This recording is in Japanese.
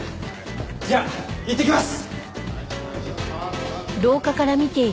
じゃあいってきます！